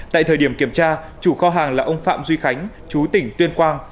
tại thời điểm kiểm tra chủ kho hàng là ông phạm duy khánh chú tỉnh tuyên quang